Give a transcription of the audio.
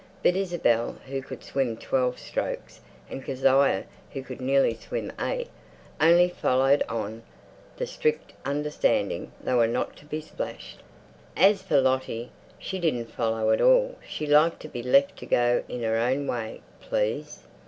But Isabel, who could swim twelve strokes, and Kezia, who could nearly swim eight, only followed on the strict understanding they were not to be splashed. As for Lottie, she didn't follow at all. She liked to be left to go in her own way, please.